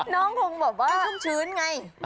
น้องคงบอกว่าไม่ชุ่มชื้นไง